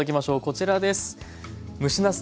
こちらです。